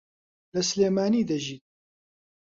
لە سلێمانی دەژیت.